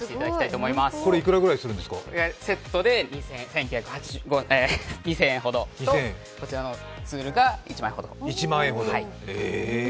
これ、いくらセットで２０００円ほどと、こちらのツールが１万円ほど。